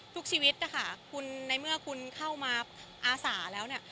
ทุกชีวิตในเมื่อคุณเข้ามาอาสาแล้ว